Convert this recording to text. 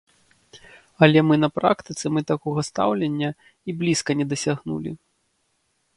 Але мы на практыцы мы такога стаўлення і блізка не дасягнулі.